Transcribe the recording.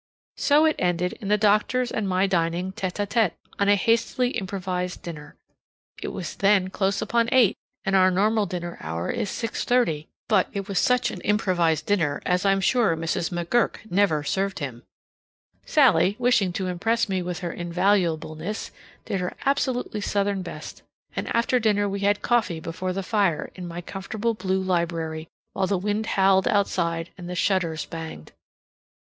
So it ended in the doctor's and my dining tete a tete on a hastily improvised dinner, it was then close upon eight, and our normal dinner hour is 6:30, but it was such an improvised dinner as I am sure Mrs. McGurk never served him. Sallie, wishing to impress me with her invaluableness, did her absolutely Southern best. And after dinner we had coffee before the fire in my comfortable blue library, while the wind howled outside and the shutters banged.